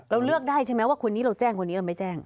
เราเลือกได้ใช่ไหมว่าคนนี้เราแจ้งคนนี้เราไม่แจ้ง